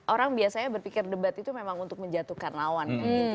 orang biasanya berpikir debat itu memang untuk menjatuhkan lawan